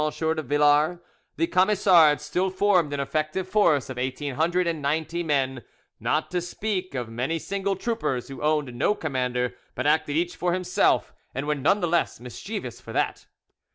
de Villars, the Camisards still formed an effective force of eighteen hundred and ninety men, not to speak of many single troopers who owned no commander but acted each for himself, and were none the less mischievous for that.